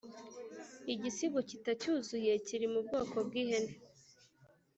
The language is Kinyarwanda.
igisigo kitacyuzuye kiri mu bwoko bwi hene